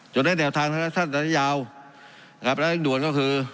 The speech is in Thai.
จนในแถวทางสัดและยาวและเรื่องด่วนก็คือ